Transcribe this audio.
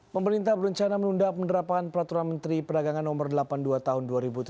pemerintah berencana menunda penerapan peraturan menteri perdagangan no delapan puluh dua tahun dua ribu tujuh belas